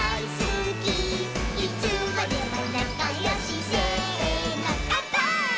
「いつまでもなかよしせーのかんぱーい！！」